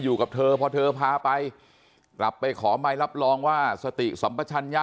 อยู่กับเธอพอเธอพาไปกลับไปขอใบรับรองว่าสติสัมปชัญญะ